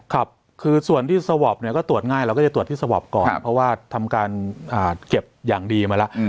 ครับคือส่วนที่สวอปเนี่ยก็ตรวจง่ายเราก็จะตรวจที่สวอปก่อนเพราะว่าทำการเก็บอย่างดีมาแล้ว